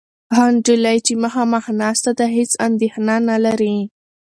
هغه نجلۍ چې مخامخ ناسته ده، هېڅ اندېښنه نهلري.